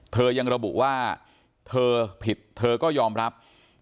ยังระบุว่าเธอผิดเธอก็ยอมรับ